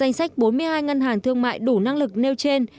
danh sách bốn mươi hai ngân hàng thương mại đủ năng lực nêu trên